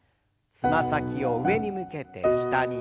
つま先を上に向けて下に。